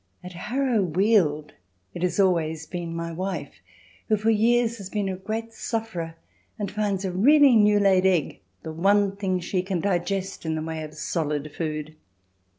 At Harrow Weald it has always been my wife who for years has been a great sufferer and finds a really new laid egg the one thing she can digest in the way of solid food.